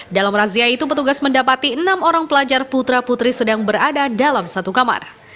dalam razia itu petugas mendapati enam orang pelajar putra putri sedang berada dalam satu kamar